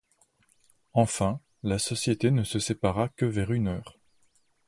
Enfin, la société ne se sépara que vers une heure.